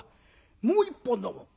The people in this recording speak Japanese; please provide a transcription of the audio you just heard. もう一本飲もう」。